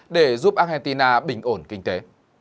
để giúp argentina bình ổn kinh tế